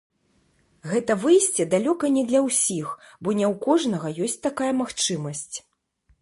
Гэта выйсце далёка не для ўсіх, бо не ў кожнага ёсць такая магчымасць.